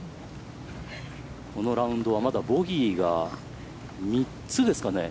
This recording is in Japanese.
このラウンドはまだボギーが３つですかね。